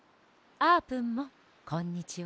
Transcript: あーぷんもこんにちは。